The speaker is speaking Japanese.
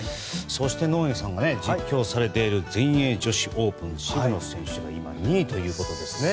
そして、野上さんが実況されている全英女子オープン渋野選手が今２位ということですね。